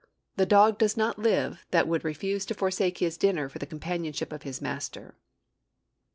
The dog does not live that would refuse to forsake his dinner for the companionship of his master.